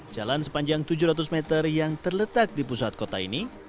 jalan sepanjang tujuh ratus meter yang terletak di pusat kota ini